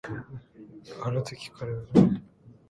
そういえば、あのとき、これを彼女にあげるとき、君を見かけたんだ